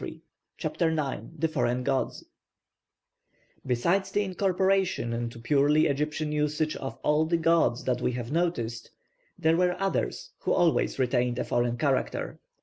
CHAPTER IX THE FOREIGN GODS Besides the incorporation into purely Egyptian usage of all the gods that we have noticed, there were others who always retained a foreign character.